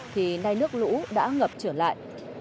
thì nay nước lũ đã ngập trở lại